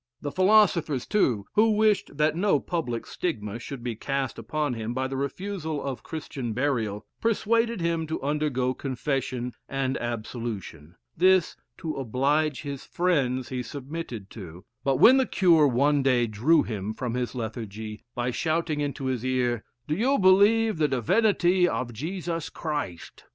The philosophers, too, who wished that no public stigma should be cast upon him by the refusal of Christian burial, persuaded him to undergo confession and absolution. This, to oblige his friends, he submitted to; but when the cure one day drew him from his lethargy by shouting into his ear, "Do you believe the divinity of Jesus Christ?"